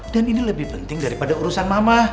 dan ini lebih penting daripada urusan mama